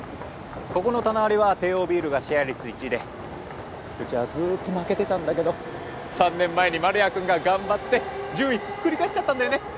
ここの棚割りは帝王ビールがシェア率１位でうちはずっと負けてたんだけど３年前に丸谷くんが頑張って順位ひっくり返しちゃったんだよね。